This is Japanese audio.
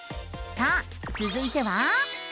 さあつづいては。